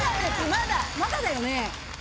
まだまだだよね